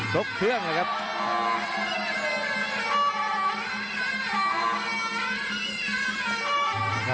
ตกเครื่อง